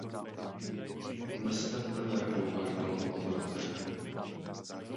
Odneste ten revolver do laboratoře.